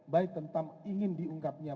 baik tentang ingin diungkapnya